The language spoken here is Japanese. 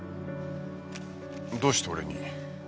どうして俺に？